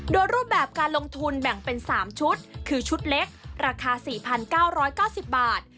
โดยรูปแบบการลงทุนแบ่งเป็น๓ชุดคือชุดเล็กราคา๔๙๙๐บาท